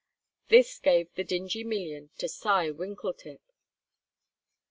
This gave the Dingee million to Cy Winkletip!